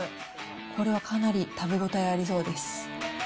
これはかなり食べ応えありそうです。